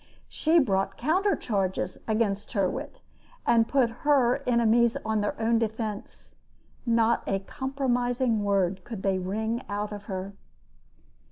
She brought counter charges against Tyrwhitt, and put her enemies on their own defense. Not a compromising word could they wring out of her.